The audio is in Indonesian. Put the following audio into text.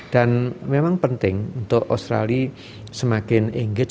dan memang penting untuk australia semakin engage